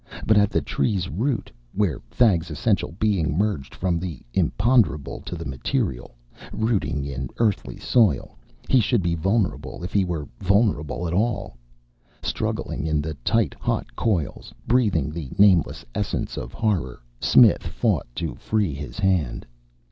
But at the Tree's root, where Thag's essential being merged from the imponderable to the material, rooting in earthly soil, he should be vulnerable if he were vulnerable at all. Struggling in the tight, hot coils, breathing the nameless essence of horror, Smith fought to free his hand.